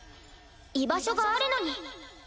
居場所があるのに。